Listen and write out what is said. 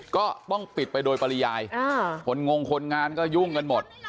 ก็ต้องปิดไปโดยปริยายคนงงคนงานก็ยุ่งกันหมด